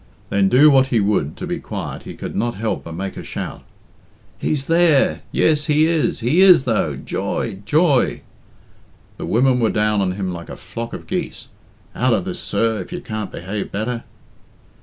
Then do what he would to be quiet, he could not help but make a shout. "He's there! Yes, he is! He is, though! Joy! Joy!" The women were down on him like a flock of geese. "Out of this, sir, if you can't behave better!'